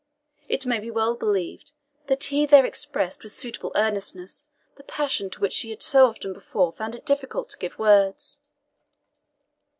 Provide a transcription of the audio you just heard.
It may be well believed that he there expressed with suitable earnestness the passion to which he had so often before found it difficult to give words.